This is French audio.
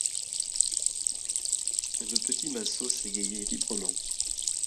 Le petit Massot s'égayait librement.